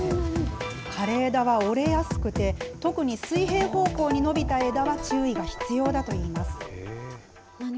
枯れ枝は折れやすくて、特に水平方向に伸びた枝は注意が必要だといいます。